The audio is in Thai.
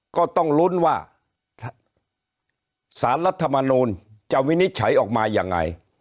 ก็ต้องลุ้นว่าสารรัฐมนูลจะวินิจฉัยออกมายังไง